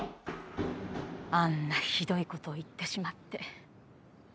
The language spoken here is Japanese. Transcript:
あんなひどい事を言ってしまって。